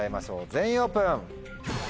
全員オープン！